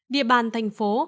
địa bàn thành phố